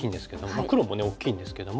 まあ黒もね大きいんですけども。